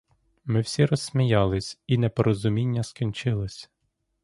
Ми всі розсміялись, і непорозуміння скінчилось.